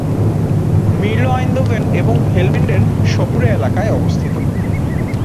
মিরলো Eindhoven এবং হেলমন্ডের শহুরে এলাকায় অবস্থিত।